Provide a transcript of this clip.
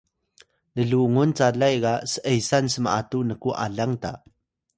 llungun calay ga s’esan sm’atu nku alang ta